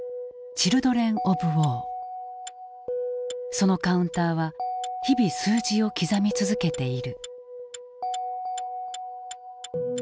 そのカウンターは日々数字を刻み続けている。